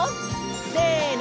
せの！